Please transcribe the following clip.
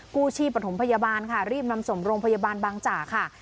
กู้ชีพประถมพยาบาลค่ะรีบนำส่งโรงพยาบาลบางจ่าค่ะ